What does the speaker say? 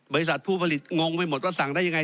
บริษัทผู้ผลิตงงไปหมดว่าสั่งได้ยังไง